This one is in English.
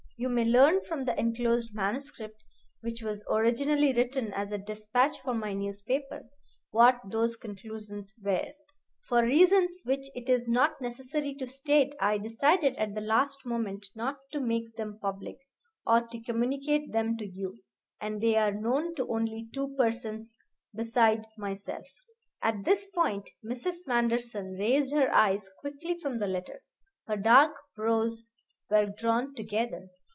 You may learn from the enclosed manuscript, which was originally written as a despatch for my newspaper, what those conclusions were. For reasons which it is not necessary to state I decided at the last moment not to make them public, or to communicate them to you, and they are known to only two persons beside myself. At this point Mrs. Manderson raised her eyes quickly from the letter. Her dark brows were drawn together.